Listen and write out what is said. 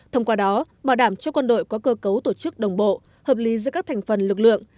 thông qua đó bảo đảm cho quân đội có cơ cấu tổ chức đồng bộ hợp lý giữa các thành phần lực lượng